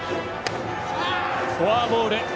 フォアボール。